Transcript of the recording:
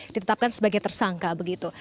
ditetapkan sebagai tersangka begitu